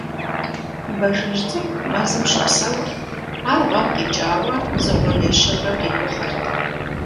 Бажэжь цӀыкӀу мэзым щыпсэурт. Ар гъуэм къикӀауэ дзыгъуэ ещэурэ къикӀухьырт.